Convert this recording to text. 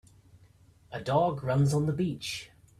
A dog runs on the beach.